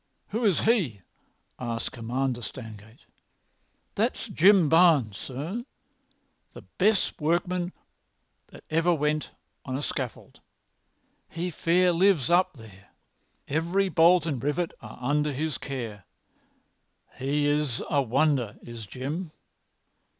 "Who is he?" asked Commander Stangate. "That's Jim Barnes, sir, the best workman that ever went on a scaffold. He fair lives up there. Every bolt and rivet are under his care. He's a wonder, is Jim."